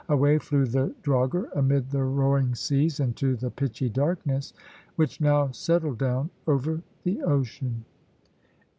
Away flew the drogher amid the roaring seas into the pitchy darkness, which now settled down over the ocean.